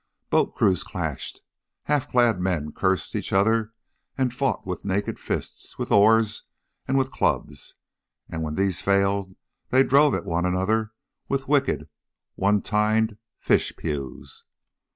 Boat crews clashed; half clad men cursed each other and fought with naked fists, with oars and clubs; and when these failed, they drove at one another with wicked one tined fish "pues."